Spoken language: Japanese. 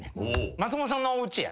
松本さんのおうちや。